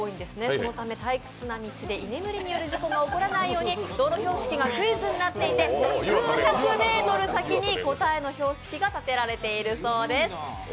そのため退屈な道で居眠りによる事故が起こらないように道路標識がクイズになっていて９００ｍ先に答えの標識が立てられているそうです。